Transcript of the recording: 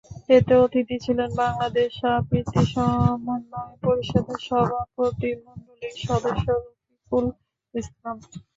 এতে অতিথি ছিলেন বাংলাদেশ আবৃত্তি সমন্বয় পরিষদের সভাপতিমণ্ডলীর সদস্য রফিকুল ইসলাম।